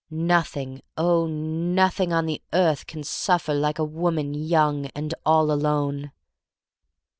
Nothing, oh, nothing on the earth can suffer like a woman young and all alone!